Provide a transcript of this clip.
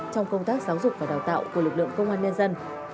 trong công tác giáo dục và đào tạo của lực lượng công an nhân dân